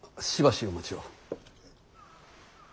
しばしお待ちを。